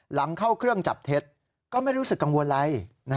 หลังเข้าเครื่องจับเท็จก็ไม่รู้สึกกังวลอะไร